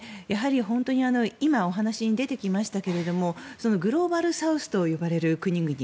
今、お話に出てきましたがグローバルサウスと呼ばれる国々